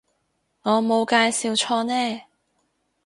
我冇介紹錯呢